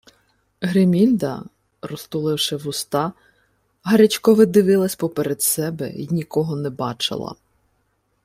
Гримільда, розтуливши вуста, гарячкове дивилася поперед себе й нікого не бачила.